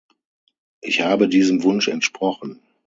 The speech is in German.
Ich habe diesem Wunsch entsprochen.